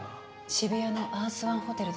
渋谷のアースワンホテルです。